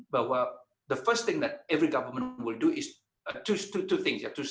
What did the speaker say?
bahwa hal pertama yang akan dilakukan setiap pemerintah adalah dua hal